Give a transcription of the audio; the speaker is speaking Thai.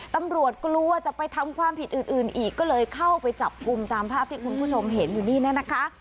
ตำรวจกลัวจะไปทำความผิดอื่นอีกก็เลยเข้าไปจับกลุ่มตามภาพที่คุณผู้ชมเห็นอยู่นี่เนี่ยนะคะ